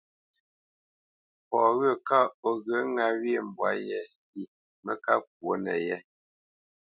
Fɔ wyə̂ kaʼ o ghyə ŋâ wyê mbwǎ yé lyê mə́ ká ŋkwǒ nəyé.